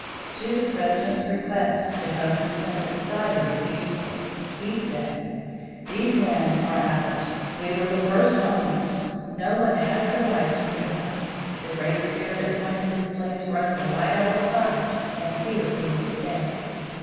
To the President's request Tecumseh sent a decided refusal. He said: "These lands are ours; we were the first owners; no one has the right to move us. The Great Spirit appointed this place for us to light our fires and here we will stay."